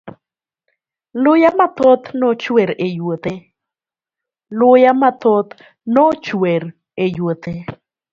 Luya mathoth nochwer e yuothe.